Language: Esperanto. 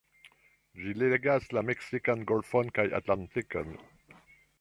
Ĝi ligas la Meksikan Golfon kaj Atlantikon.